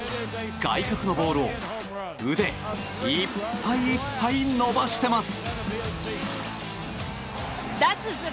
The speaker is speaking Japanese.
外角のボールを腕いっぱいいっぱい伸ばしてます。